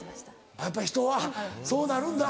やっぱり人はそうなるんだ。